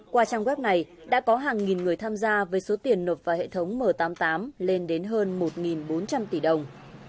qua trang web này đã có hàng nghìn người tham gia với số tiền nộp vào hệ thống m tám mươi tám lên đến hơn một bốn trăm linh tỷ đồng